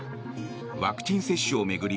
ワクチン接種を巡り